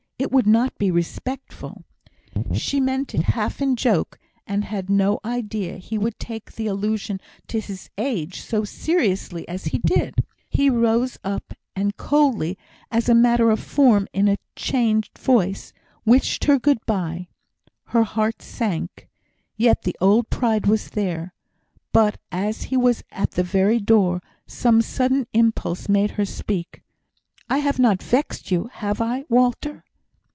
It would not be respectful." She meant it half in joke, and had no idea he would take the allusion to his age so seriously as he did. He rose up, and coldly, as a matter of form, in a changed voice, wished her "Good bye." Her heart sank; yet the old pride was there. But as he was at the very door, some sudden impulse made her speak: "I have not vexed you, have I, Walter?"